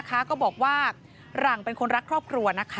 ก็บอกว่าหลังเป็นคนรักครอบครัวนะคะ